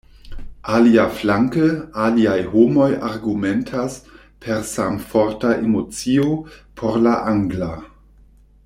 Aliaflanke, aliaj homoj argumentas, per samforta emocio, por la angla.